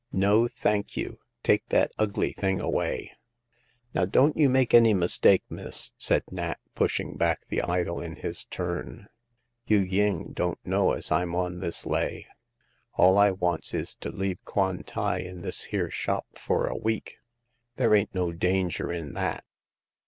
" No, thank you ; take that ugly thing away !*'" Now, don't you make any mistake, miss," said Nat, pushing back the idol in his turn. " Yu ying don't know as Tm on this lay* Ml I vi^xxt^ 90 Hagar of the Pawn Shop. is to leave Kwan tai in this here shop for a week. There ain't no danger in that."